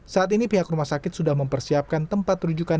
saat ini pihak rumah sakit sudah mempersiapkan tempat rujukan